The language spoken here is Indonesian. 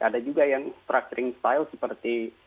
ada juga yang structuring style seperti